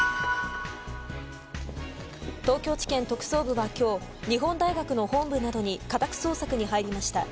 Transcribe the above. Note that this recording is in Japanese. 東京地検特捜部は今日日本大学の本部などに家宅捜索に入りました。